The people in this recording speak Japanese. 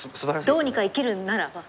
どうにか生きるんならば。